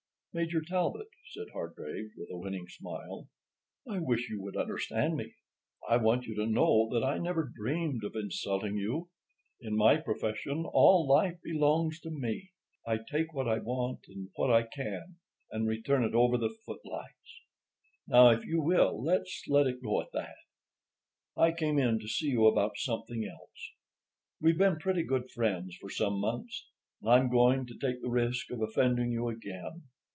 "Major Talbot," said Hargraves, with a winning smile, "I wish you would understand me. I want you to know that I never dreamed of insulting you. In my profession, all life belongs to me. I take what I want, and what I can, and return it over the footlights. Now, if you will, let's let it go at that. I came in to see you about something else. We've been pretty good friends for some months, and I'm going to take the risk of offending you again.